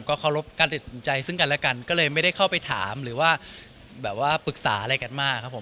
เคารพการติดสินใจซึ่งกันและกันก็เลยไม่ได้เข้าไปถามหรือว่าแบบว่าปรึกษาอะไรกันมากครับผม